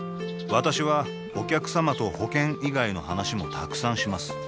私はお客様と保険以外の話もたくさんします